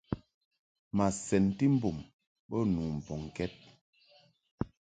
Ma sɛnti mbum bə nu mbɔŋkɛd.